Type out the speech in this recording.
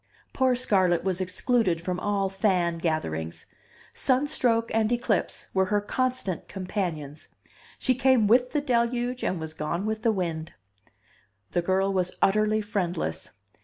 Poor Scarlett was excluded from all fan gatherings. Sun stroke and eclipse were her constant companions. She came with the deluge and was gone with the wind. The girl was utterly friendless.